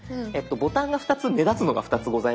ボタンが２つ目立つのが２つございますよね。